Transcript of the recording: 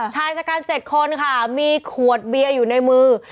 ชายชะกัน๗คนค่ะมีขวดเบียร์อยู่ในมือ